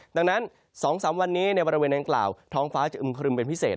ดังนั้น๒๓วันนี้ในบริเวณดังกล่าวท้องฟ้าจะอึมครึมเป็นพิเศษ